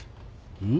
うん？